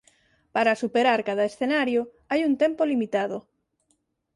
Para superar cada escenario hai un tempo limitado.